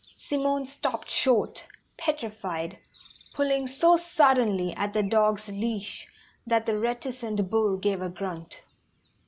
Simone stopped short, petrified, pulling so suddenly at the dog's leash that the reticent bull gave a grunt.